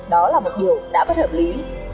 đó là một điều đã bất hợp lý